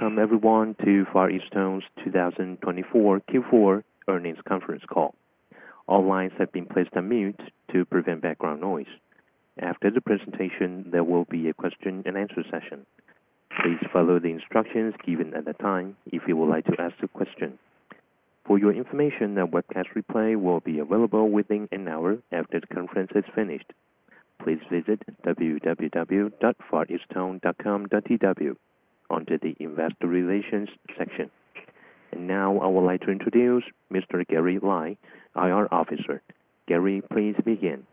Welcome, everyone, to Far EasTone's 2024 Q4 earnings conference call. All lines have been placed on mute to prevent background noise. After the presentation, there will be a question-and-answer session. Please follow the instructions given at the time if you would like to ask a question. For your information, a webcast replay will be available within an hour after the conference has finished. Please visit www.fareastone.com.tw under the Investor Relations section. And now, I would like to introduce Mr. Gary Lai, IR Officer. Gary, please begin.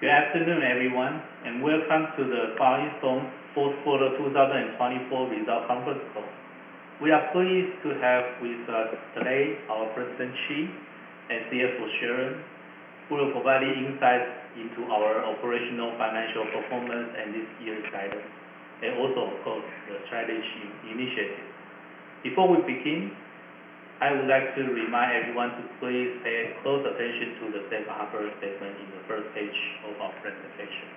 Good afternoon, everyone, and welcome to the Far EasTone Fourth Quarter 2024 Results Conference Call. We are pleased to have with us today our President, Chee, and CFO, Sharon, who will provide insights into our operational financial performance and this year's guidance, and also, of course, the strategy initiative. Before we begin, I would like to remind everyone to please pay close attention to the Safe Harbor statement in the first page of our presentation.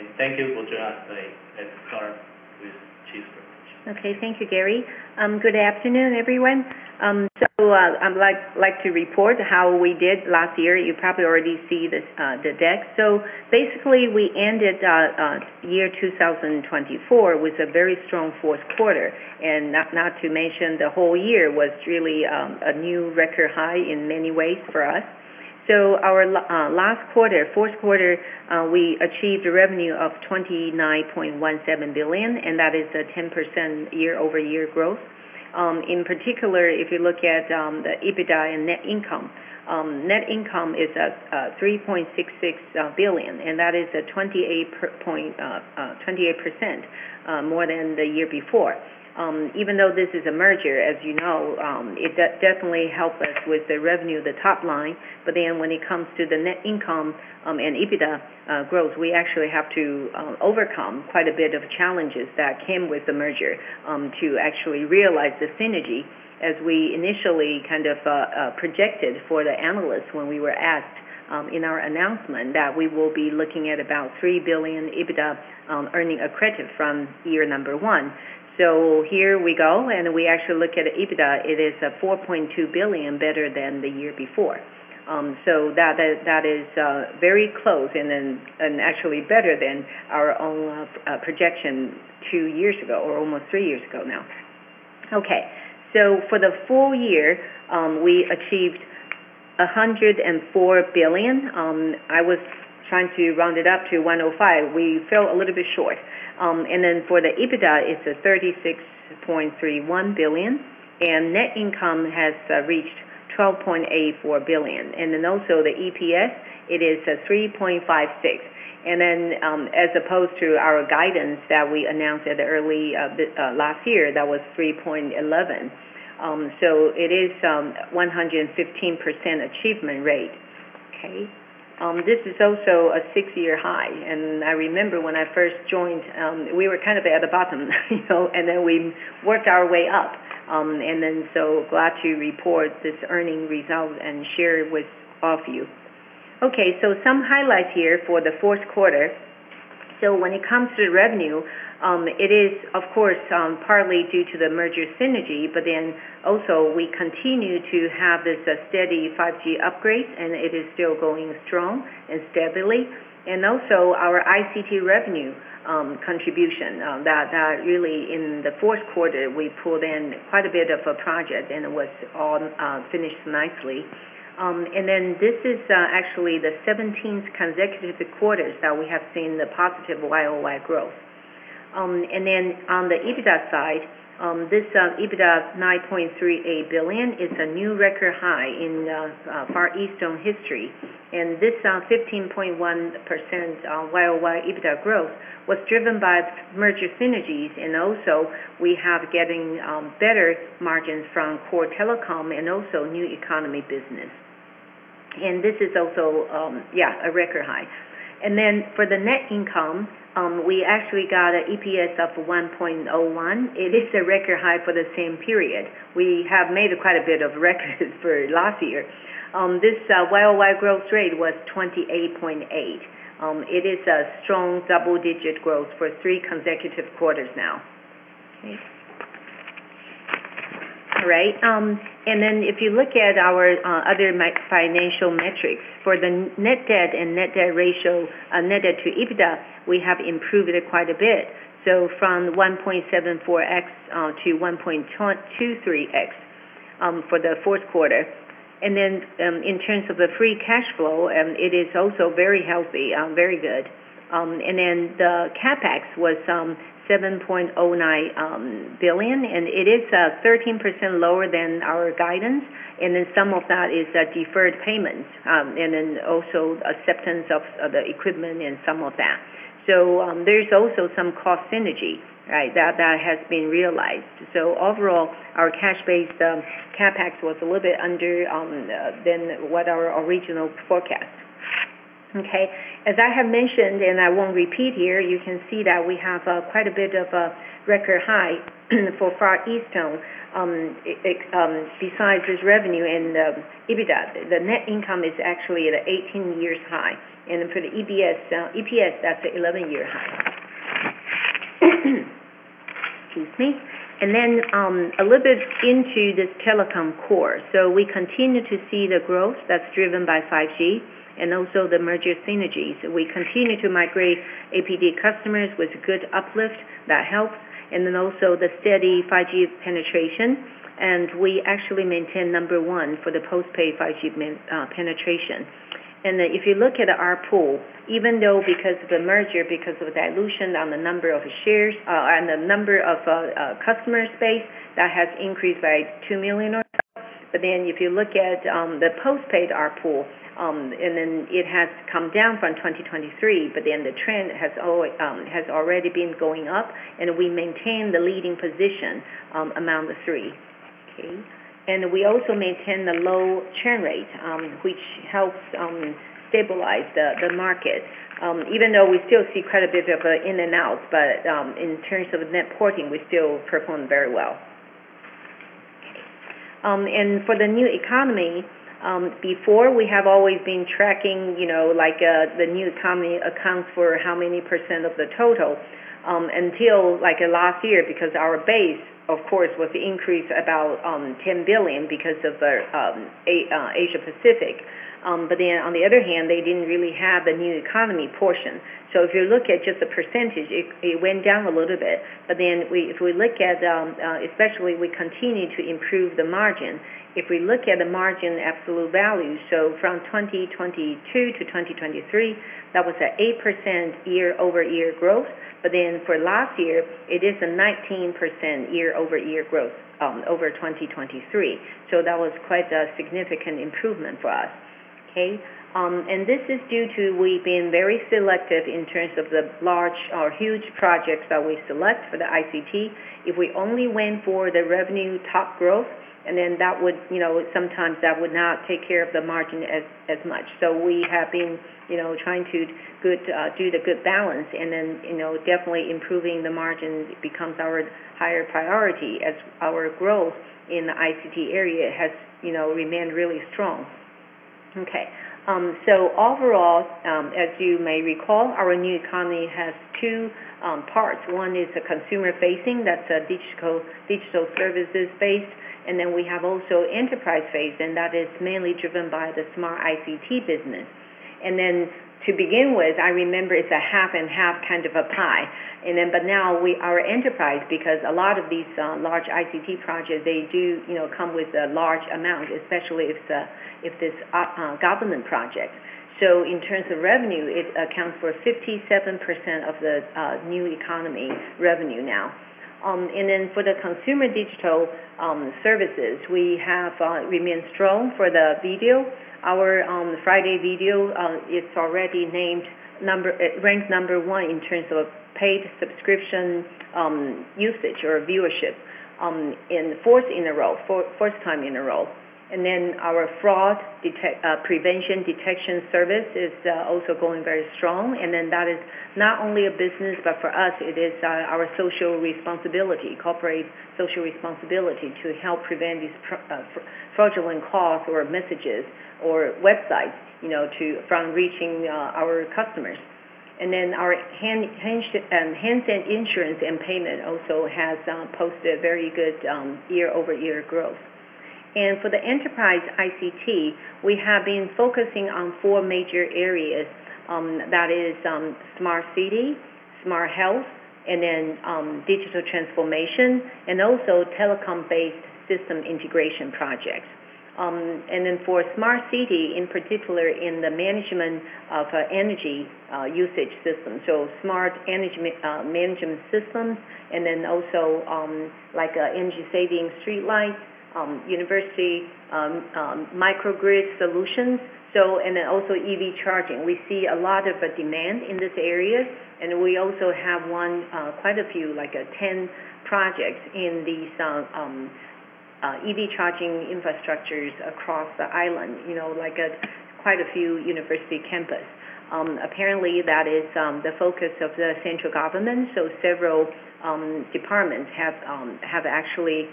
And thank you for joining us today. Let's start with Chee's presentation. Okay. Thank you, Gary. Good afternoon, everyone. So I'd like to report how we did last year. You probably already see the deck. So basically, we ended the year 2024 with a very strong fourth quarter, and not to mention the whole year was really a new record high in many ways for us. So our last quarter, fourth quarter, we achieved a revenue of 29.17 billion, and that is a 10% year-over-year growth. In particular, if you look at the EBITDA and net income, net income is 3.66 billion, and that is a 28% more than the year before. Even though this is a merger, as you know, it definitely helped us with the revenue, the top line, but then when it comes to the net income and EBITDA growth, we actually have to overcome quite a bit of challenges that came with the merger to actually realize the synergy as we initially kind of projected for the analysts when we were asked in our announcement that we will be looking at about 3 billion EBITDA earnings accretion from year number one. So here we go, and we actually look at EBITDA, it is 4.2 billion, better than the year before. So that is very close and actually better than our own projection two years ago or almost three years ago now. Okay. So for the full year, we achieved 104 billion. I was trying to round it up to 105. We fell a little bit short. Then for the EBITDA, it's 36.31 billion, and net income has reached 12.84 billion. Then also the EPS, it is 3.56. Then as opposed to our guidance that we announced at the early last year, that was 3.11. So it is a 115% achievement rate. Okay. This is also a six-year high. I remember when I first joined, we were kind of at the bottom, and then we worked our way up. Then so glad to report this earning result and share it with all of you. Okay. Some highlights here for the fourth quarter. When it comes to revenue, it is, of course, partly due to the merger synergy, but then also we continue to have this steady 5G upgrade, and it is still going strong and steadily. Also, our ICT revenue contribution—that really in the fourth quarter—we pulled in quite a bit of a project, and it was all finished nicely. This is actually the 17th consecutive quarters that we have seen the positive YOY growth. On the EBITDA side, this EBITDA 9.38 billion is a new record high in Far EasTone history. This 15.1% YOY EBITDA growth was driven by merger synergies, and also we have getting better margins from core telecom and also new economy business. This is also, yeah, a record high. For the net income, we actually got an EPS of 1.01. It is a record high for the same period. We have made quite a bit of records for last year. This YOY growth rate was 28.8%. It is a strong double-digit growth for three consecutive quarters now. Okay. All right. And then if you look at our other financial metrics, for the net debt and net debt ratio, net debt to EBITDA, we have improved it quite a bit. So from 1.74x to 1.23x for the fourth quarter. And then in terms of the free cash flow, it is also very healthy, very good. And then the CapEx was 7.09 billion, and it is 13% lower than our guidance. And then some of that is deferred payments, and then also acceptance of the equipment and some of that. So there's also some cost synergy, right, that has been realized. So overall, our cash-based CapEx was a little bit under than what our original forecast. Okay. As I have mentioned, and I won't repeat here, you can see that we have quite a bit of a record high for Far EasTone besides this revenue and EBITDA. The net income is actually at an 18-year high. And then for the EPS, that's an 11-year high. Excuse me. And then a little bit into this telecom core. So we continue to see the growth that's driven by 5G and also the merger synergies. We continue to migrate APT customers with good uplift. That helps. And then also the steady 5G penetration. And we actually maintain number one for the postpaid 5G penetration. And if you look at our ARPU, even though because of the merger, because of the dilution on the number of shares and the number of customer base, that has increased by 2 million or so. But then if you look at the postpaid ARPU, and then it has come down from 2023, but then the trend has already been going up, and we maintain the leading position among the three. Okay. We also maintain the low churn rate, which helps stabilize the market. Even though we still see quite a bit of in and outs, but in terms of net porting, we still perform very well. Okay. And for the new economy, before, we have always been tracking the new economy accounts for how many % of the total until last year because our base, of course, was increased about 10 billion because of Asia Pacific. But then on the other hand, they didn't really have the new economy portion. So if you look at just the percentage, it went down a little bit. But then if we look at, especially we continue to improve the margin. If we look at the margin absolute value, so from 2022 to 2023, that was an 8% year-over-year growth. But then for last year, it is a 19% year-over-year growth over 2023. So that was quite a significant improvement for us. Okay. And this is due to we've been very selective in terms of the large or huge projects that we select for the ICT. If we only went for the revenue top growth, and then that would sometimes not take care of the margin as much. So we have been trying to do the good balance, and then definitely improving the margin becomes our higher priority as our growth in the ICT area has remained really strong. Okay. So overall, as you may recall, our new economy has two parts. One is the consumer-facing. That's a digital services base. And then we have also enterprise phase, and that is mainly driven by the smart ICT business. And then to begin with, I remember it's a half and half kind of a pie. Now we are enterprise because a lot of these large ICT projects. They do come with a large amount, especially if it's this government project. So in terms of revenue, it accounts for 57% of the new economy revenue now. For the consumer digital services, we have remained strong for the video. Our friDay Video, it's already named ranked number one in terms of paid subscription usage or viewership, and fourth in a row, fourth time in a row. Our fraud prevention detection service is also going very strong. That is not only a business, but for us, it is our social responsibility, corporate social responsibility to help prevent these fraudulent calls or messages or websites from reaching our customers. Our handset insurance and payment also has posted a very good year-over-year growth. For the enterprise ICT, we have been focusing on four major areas. That is smart city, smart health, and then digital transformation, and also telecom-based system integration projects. For smart city, in particular, in the management of energy usage systems, so smart energy management systems, and then also energy-saving streetlights, university microgrid solutions, and then also EV charging. We see a lot of demand in this area, and we also have quite a few, like 10 projects in these EV charging infrastructures across the island, like quite a few university campus. Apparently, that is the focus of the central government. Several departments have actually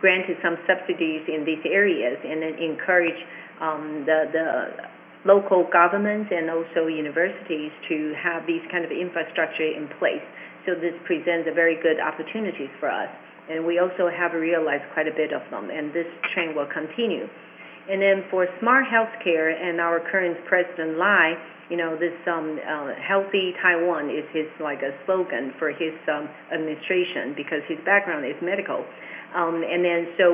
granted some subsidies in these areas and then encourage the local governments and also universities to have these kinds of infrastructure in place. This presents a very good opportunity for us. And we also have realized quite a bit of them, and this trend will continue. For smart healthcare and our current President Lai, this Healthy Taiwan is his slogan for his administration because his background is medical.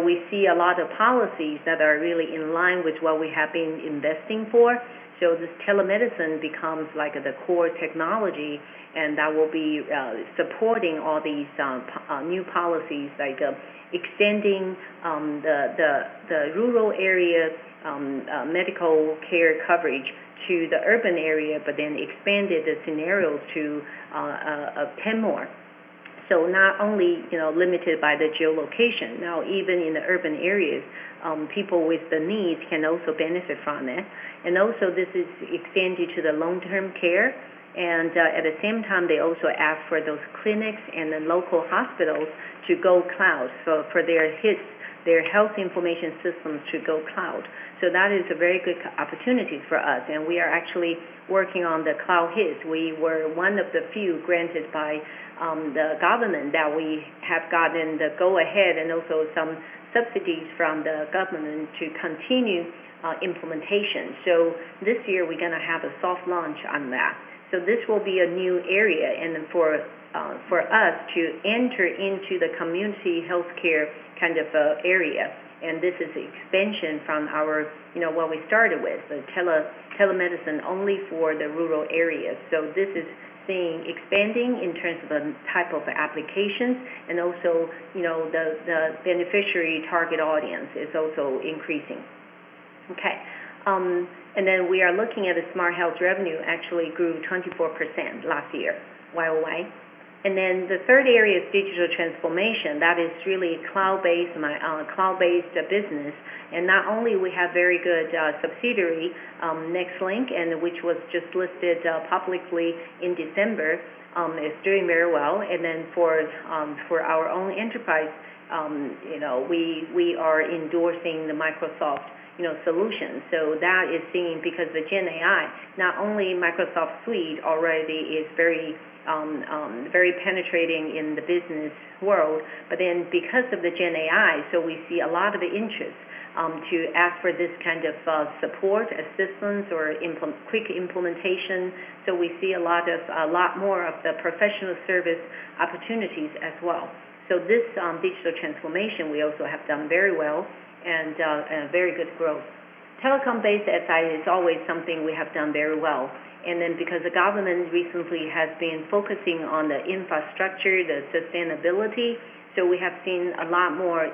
We see a lot of policies that are really in line with what we have been investing for. This telemedicine becomes the core technology, and that will be supporting all these new policies, like extending the rural area medical care coverage to the urban area, but then expanded the scenarios to 10 more. Not only limited by the geolocation, now even in the urban areas, people with the needs can also benefit from it. Also this is extended to the long-term care. At the same time, they also ask for those clinics and then local hospitals to go cloud for their health information systems to go cloud. That is a very good opportunity for us. We are actually working on the Cloud HIS. We were one of the few granted by the government that we have gotten the go-ahead and also some subsidies from the government to continue implementation. This year, we're going to have a soft launch on that. This will be a new area for us to enter into the community healthcare kind of area. This is expansion from what we started with, the telemedicine only for the rural areas. This is expanding in terms of the type of applications and also the beneficiary target audience is also increasing. Okay. And then we are looking at the smart health revenue actually grew 24% last year, YOY. And then the third area is digital transformation. That is really cloud-based business. And not only we have very good subsidiary, Nextlink, which was just listed publicly in December, is doing very well. And then for our own enterprise, we are endorsing the Microsoft solutions. So that is seen because the GenAI, not only Microsoft Suite already is very penetrating in the business world, but then because of the GenAI, so we see a lot of interest to ask for this kind of support, assistance, or quick implementation. So we see a lot more of the professional service opportunities as well. So this digital transformation, we also have done very well and very good growth. Telecom-based SI is always something we have done very well. And then, because the government recently has been focusing on the infrastructure, the sustainability, so we have seen a lot more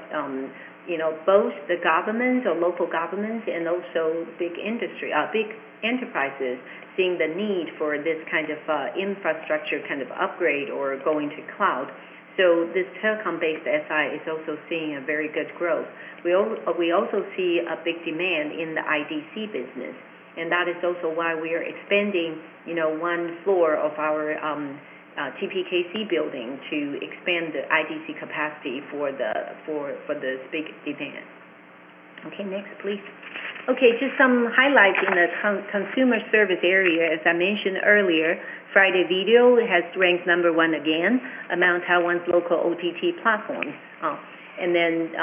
both the government or local government and also big enterprises seeing the need for this kind of infrastructure kind of upgrade or going to cloud. So this telecom-based SI is also seeing a very good growth. We also see a big demand in the IDC business. And that is also why we are expanding one floor of our TPKC Building to expand the IDC capacity for this big demand. Okay. Next, please. Okay. Just some highlights in the consumer service area. As I mentioned earlier, friDay Video has ranked number one again among Taiwan's local OTT platforms. And then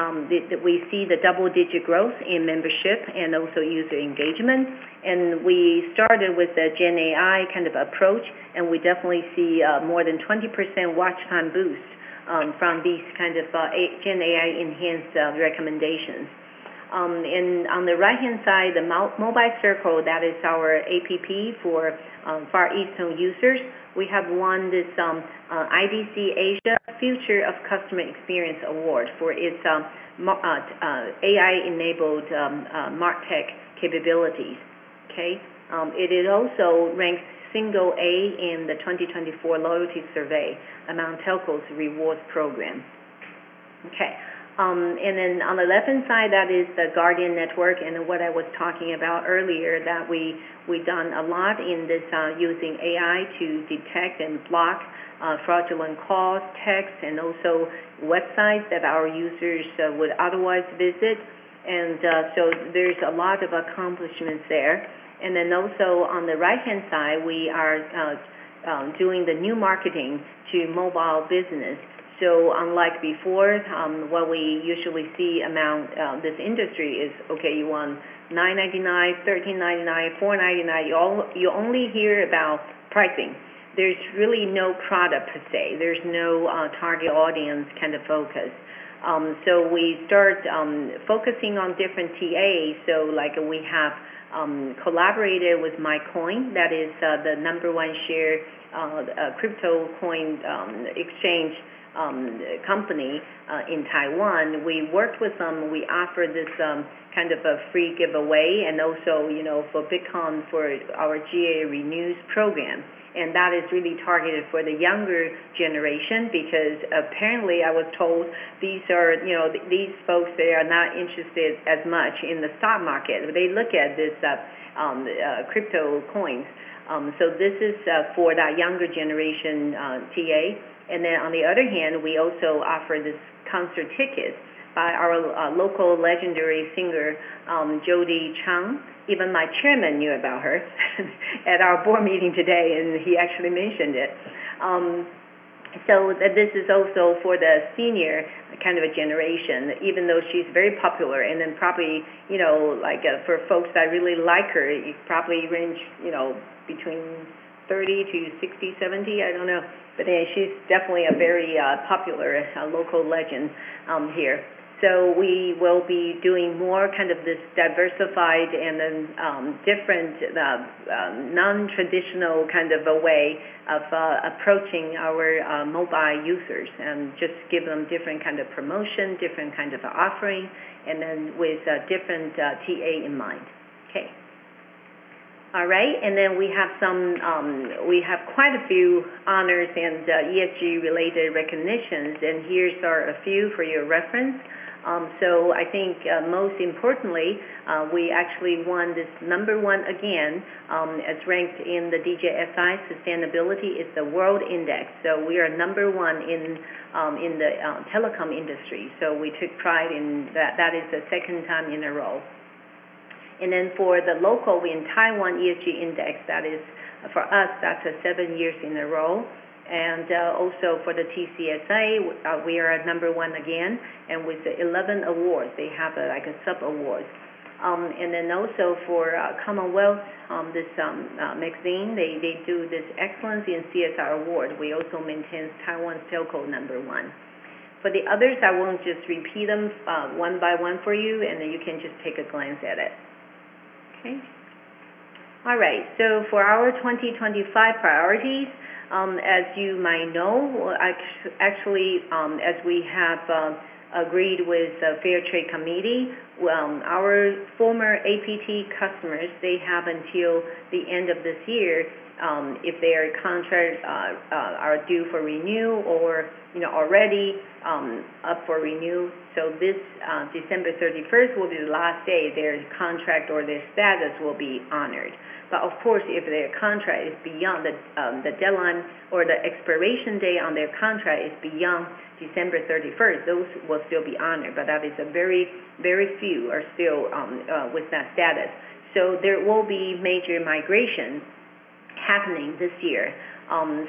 we see the double-digit growth in membership and also user engagement. We started with the GenAI kind of approach, and we definitely see more than 20% watch time boost from these kinds of GenAI-enhanced recommendations. On the right-hand side, the Mobile Circle, that is our APP for Far EasTone users. We have won this IDC Asia Future of Customer Experience Award for its AI-enabled MarTech capabilities. Okay. It is also ranked single A in the 2024 loyalty survey among telcos rewards program. Okay. On the left-hand side, that is the Guardian Network and what I was talking about earlier that we've done a lot in this using AI to detect and block fraudulent calls, texts, and also websites that our users would otherwise visit. So there's a lot of accomplishments there. On the right-hand side, we are doing the new marketing to mobile business. So unlike before, what we usually see among this industry is, okay, you want 999, 1399, 499. You only hear about pricing. There's really no product per se. There's no target audience kind of focus. So we start focusing on different TAs. So we have collaborated with MaiCoin. That is the number one share crypto coin exchange company in Taiwan. We worked with them. We offered this kind of a free giveaway and also for Bitcoin for our GA renews program. And that is really targeted for the younger generation because apparently, I was told these folks, they are not interested as much in the stock market. They look at these crypto coins. So this is for that younger generation TA. And then on the other hand, we also offer this concert tickets by our local legendary singer, Jody Chiang. Even my chairman knew about her at our board meeting today, and he actually mentioned it, so this is also for the senior kind of a generation, even though she's very popular, and then probably for folks that really like her, it probably ranges between 30 to 60, 70. I don't know, but she's definitely a very popular local legend here, so we will be doing more kind of this diversified and then different non-traditional kind of a way of approaching our mobile users and just give them different kind of promotion, different kind of offering, and then with different TA in mind. Okay. All right, and then we have quite a few honors and ESG-related recognitions, and here's a few for your reference, so I think most importantly, we actually won this number one again. It's ranked in the DJSI Sustainability Indices, the World Index. So we are number one in the telecom industry. So we took pride in that. That is the second time in a row. And then for the local in Taiwan ESG Index, that is for us, that's a seven years in a row. And also for the TCSA, we are number one again. And with the 11 awards, they have a sub-award. And then also for CommonWealth, this magazine, they do this Excellence in CSR Award. We also maintain Taiwan's Telco number one. For the others, I won't just repeat them one by one for you, and then you can just take a glance at it. Okay. All right. So, for our 2025 priorities, as you might know, actually, as we have agreed with the Fair Trade Committee, our former APT customers, they have until the end of this year if their contract are due for renew or already up for renew. So, this December 31st will be the last day their contract or their status will be honored. But of course, if their contract is beyond the deadline or the expiration date on their contract is beyond December 31st, those will still be honored. But that is very few are still with that status. So there will be major migrations happening this year.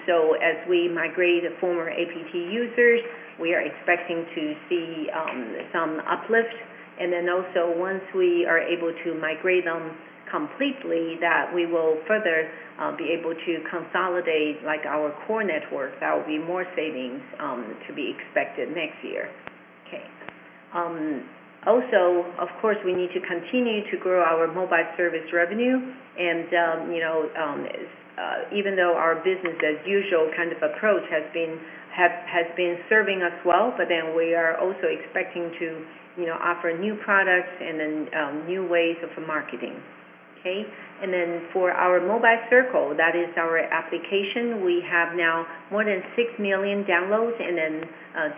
So as we migrate former APT users, we are expecting to see some uplift. And then also once we are able to migrate them completely, that we will further be able to consolidate our core network. That will be more savings to be expected next year. Okay. Also, of course, we need to continue to grow our mobile service revenue. And even though our business-as-usual kind of approach has been serving us well, but then we are also expecting to offer new products and then new ways of marketing. Okay, and then for our Mobile Circle, that is our application. We have now more than six million downloads and then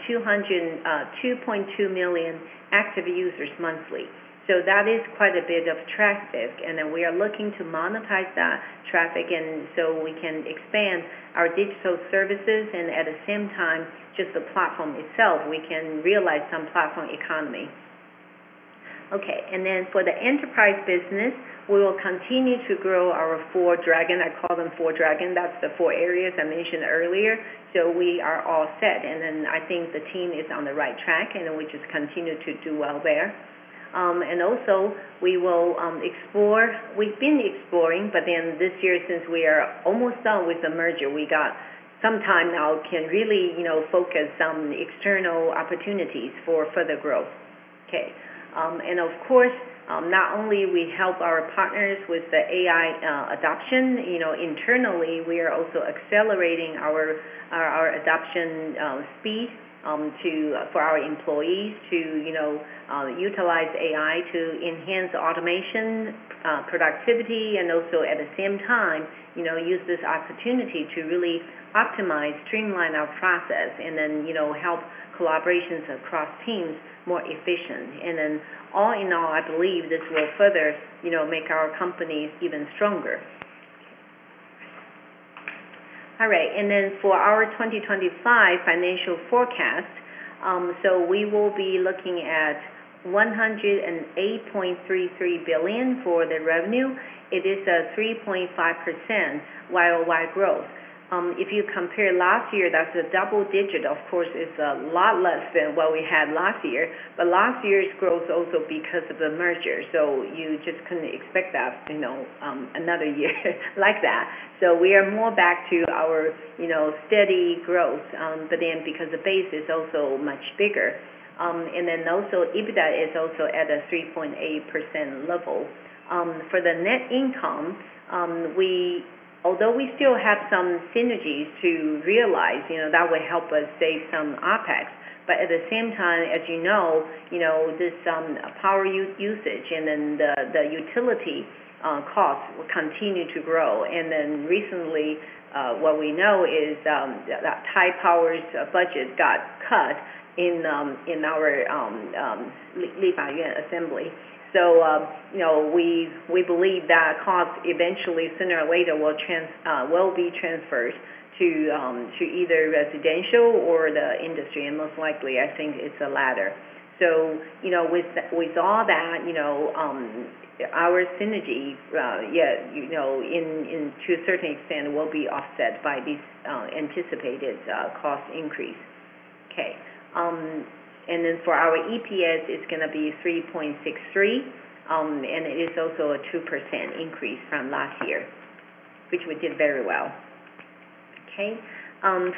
2.2 million active users monthly. So that is quite a bit of traffic, and then we are looking to monetize that traffic so we can expand our digital services. And at the same time, just the platform itself, we can realize some platform economy. Okay, and then for the enterprise business, we will continue to grow our four dragons. I call them four dragons. That's the four areas I mentioned earlier, so we are all set. And then I think the team is on the right track, and then we just continue to do well there. And also we will explore. We've been exploring, but then this year, since we are almost done with the merger, we got some time now can really focus on external opportunities for further growth. Okay. And of course, not only do we help our partners with the AI adoption, internally, we are also accelerating our adoption speed for our employees to utilize AI to enhance automation productivity and also at the same time use this opportunity to really optimize, streamline our process, and then help collaborations across teams more efficient. And then all in all, I believe this will further make our companies even stronger. All right. And then for our 2025 financial forecast, so we will be looking at 108.33 billion for the revenue. It is a 3.5% YoY growth. If you compare last year, that's a double digit. Of course, it's a lot less than what we had last year, but last year's growth also because of the merger, so you just couldn't expect that another year like that, so we are more back to our steady growth, but then because the base is also much bigger, and then also EBITDA is also at a 3.8% level. For the net income, although we still have some synergies to realize, that will help us save some OpEx, but at the same time, as you know, this power usage and then the utility costs will continue to grow, and then recently, what we know is that Taipower's budget got cut in our Legislative Yuan, so we believe that cost eventually, sooner or later, will be transferred to either residential or the industry. And most likely, I think it's the latter. So with all that, our synergy, yeah, to a certain extent, will be offset by this anticipated cost increase. Okay. And then for our EPS, it's going to be 3.63. And it is also a 2% increase from last year, which we did very well. Okay.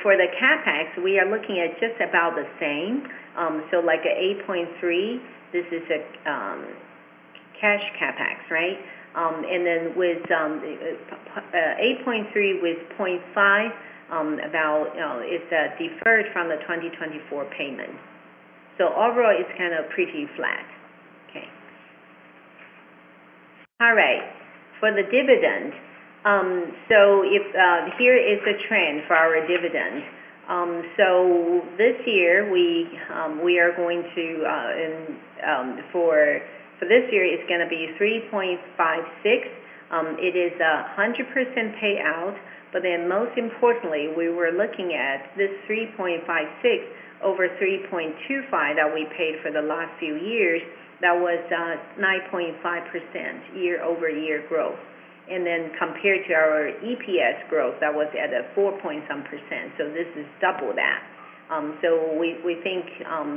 For the CapEx, we are looking at just about the same. So like 8.3, this is a cash CapEx, right? And then 8.3 with 0.5, it's deferred from the 2024 payment. So overall, it's kind of pretty flat. Okay. All right. For the dividend, so here is the trend for our dividend. So this year, it's going to be 3.56. It is a 100% payout. But then most importantly, we were looking at this 3.56 over 3.25 that we paid for the last few years. That was 9.5% year-over-year growth, and then compared to our EPS growth, that was at a 4.7%. So this is double that, so we think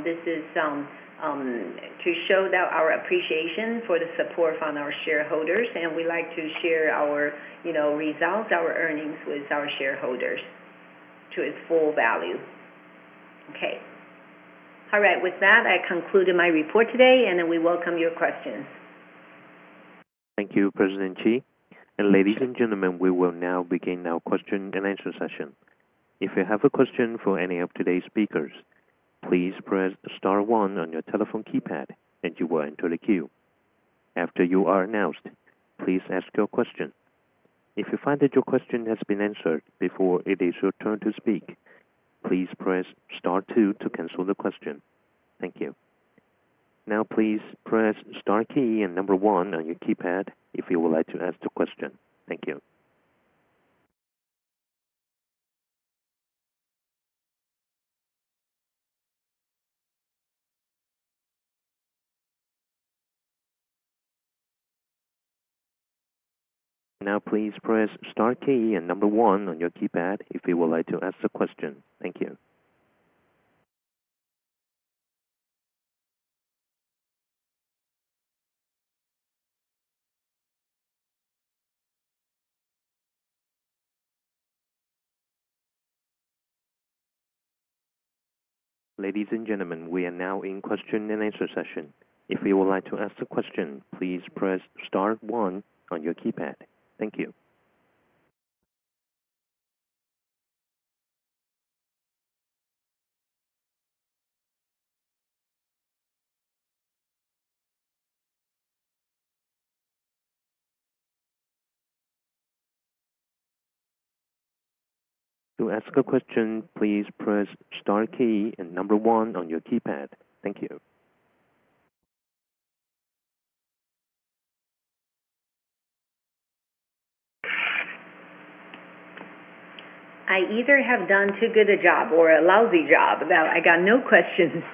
this is to show that our appreciation for the support from our shareholders, and we like to share our results, our earnings with our shareholders to its full value. Okay. All right. With that, I concluded my report today, and then we welcome your questions. Thank you, President Chee. And ladies and gentlemen, we will now begin our question and answer session. If you have a question for any of today's speakers, please press star one on your telephone keypad, and you will enter the queue. After you are announced, please ask your question. If you find that your question has been answered before it is your turn to speak, please press star two to cancel the question. Thank you. Now, please press star key and number one on your keypad if you would like to ask the question. Thank you. Ladies and gentlemen, we are now in question and answer session. If you would like to ask the question, please press star one on your keypad. Thank you. To ask a question, please press star key and number one on your keypad. Thank you. I either have done too good a job or a lousy job. I got no questions.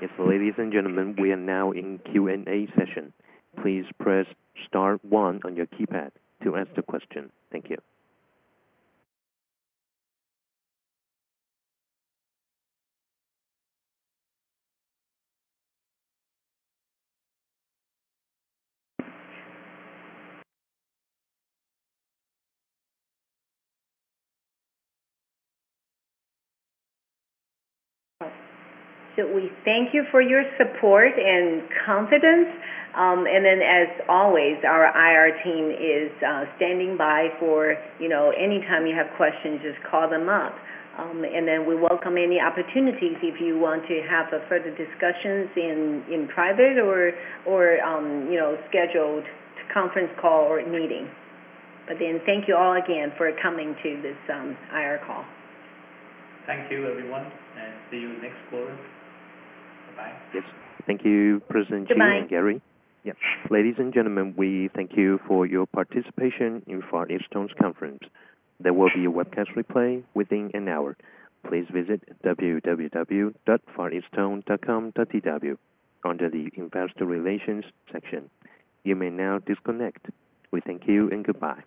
Yes, ladies and gentlemen, we are now in Q&A session. Please press star one on your keypad to ask the question. Thank you. So we thank you for your support and confidence. And then, as always, our IR team is standing by for anytime you have questions, just call them up. And then we welcome any opportunities if you want to have further discussions in private or scheduled conference call or meeting. But then thank you all again for coming to this IR call. Thank you, everyone. And see you next quarter. Bye-bye. Yes. Thank you, President Chee and Gary. Goodbye. Yes. Ladies and gentlemen, we thank you for your participation in Far EasTone's conference. There will be a webcast replay within an hour. Please visit www.fareastone.com.tw under the investor relations section. You may now disconnect. We thank you and goodbye.